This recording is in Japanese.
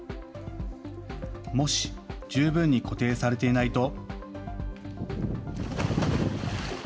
もし十分に固定されていないと。